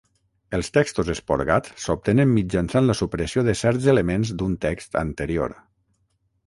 Els textos esporgats s'obtenen mitjançant la supressió de certs elements d'un text anterior.